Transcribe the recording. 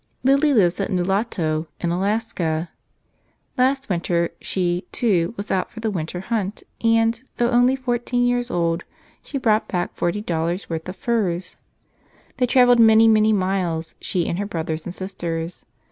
Lily lives at Nulato in Alaska. Last win¬ ter she, too, was out for the winter hunt and, though only fourteen years old, she brought back forty dollars worth of furs. They traveled many, many miles — she and her brothers and sisters.